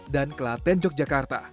dan kelaten yogyakarta